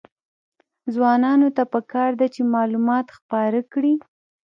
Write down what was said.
ځوانانو ته پکار ده چې، معلومات خپاره کړي.